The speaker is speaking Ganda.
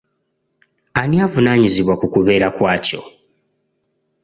Ani avunanyizibwa ku kubeerawo kwakyo?